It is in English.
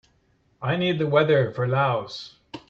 I need the weather for Laos